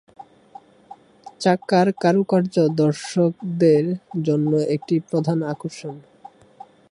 চাকার কারুকার্য দর্শকদের জন্য একটি প্রধান আকর্ষণ।